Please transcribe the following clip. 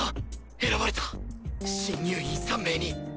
選ばれた進入員３名に。